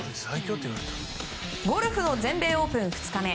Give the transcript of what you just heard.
ゴルフの全米オープン２日目。